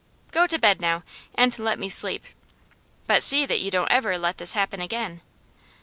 Go to bed now, and let me sleep But see that you don't ever let this happen again."